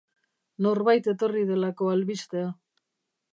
Norbait etorri delako albistea.